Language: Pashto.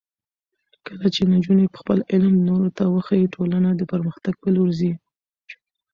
کله چې نجونې خپل علم نورو ته وښيي، ټولنه د پرمختګ په لور ځي.